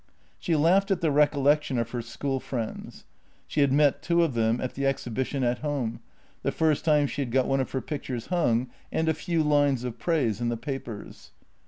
She laughed at the recollection of her school friends. She had met two of them at the exhibition at home, the first time she had got one of her pictures hung and a few lines of praise in the papers.